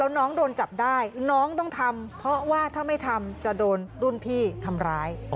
น้องโดนจับได้น้องต้องทำเพราะว่าถ้าไม่ทำจะโดนรุ่นพี่ทำร้าย